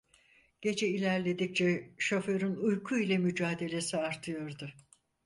Gece ilerledikçe şoförün uyku ile mücadelesi artıyordu.